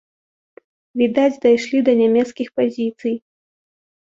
Відаць, дайшлі да нямецкіх пазіцый.